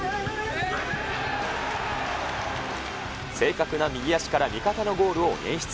正確な右足から味方のゴールを演出。